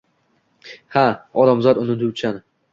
Ha, odamzot unutuvchan.